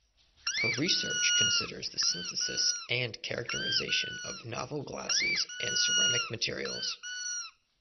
Her research considers the synthesis and characterisation of novel glasses and ceramic materials.